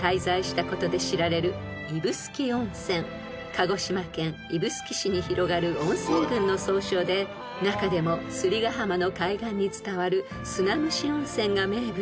［鹿児島県指宿市に広がる温泉群の総称で中でも摺ヶ浜の海岸に伝わる砂むし温泉が名物］